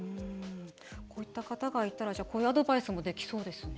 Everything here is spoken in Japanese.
こういった方がいたらじゃあこういうアドバイスもできそうですね。